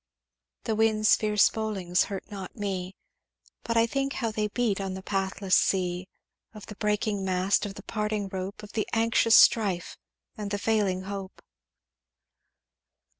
"'The winds' fierce bowlings hurt not me, But I think how they beat on the pathless sea, Of the breaking mast of the parting rope, Of the anxious strife and the failing hope.'